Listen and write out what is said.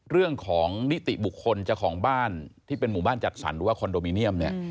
เรื่องของนิติบุคคลเจ้าของบ้านที่เป็นหมู่บ้านจัดสรรหรือว่าคอนโดมิเนียมเนี่ย